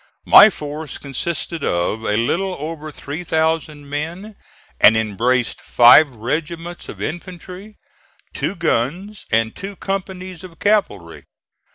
My force consisted of a little over 3,000 men and embraced five regiments of infantry, two guns and two companies of cavalry.